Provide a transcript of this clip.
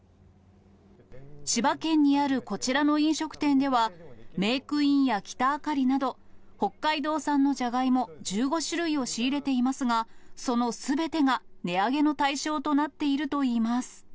千葉県にあるこちらの飲食店では、メークインやきたあかりなど、北海道産のジャガイモ１５種類を仕入れていますが、そのすべてが値上げの対象となっているといいます。